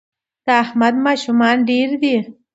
د احمد ماشومان ډېر دي